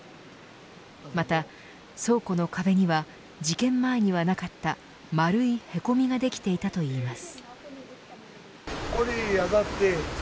また倉庫の壁には事件前にはなかった丸いへこみができていたといいます。